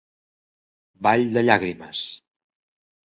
Vall de llàgrimes.